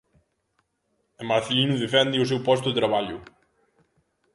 E Marcelino defende o seu posto de traballo.